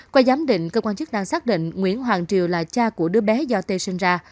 qua giám định cơ quan chức năng xác định nguyễn hoàng triều là cha của đứa bé do tê sinh ra